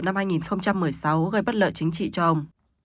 bầu cử năm hai nghìn một mươi sáu gây bất lợi chính trị cho ông